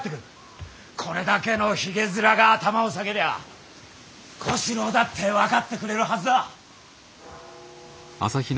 これだけのひげ面が頭を下げりゃ小四郎だって分かってくれるはずだ。